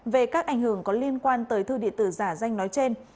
về các ảnh hưởng có liên quan tới thư điện tử giả danh nói trên